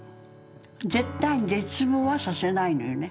絶対絶望はさせないのよね。